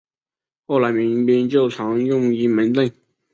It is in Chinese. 后来民军就常用阴门阵。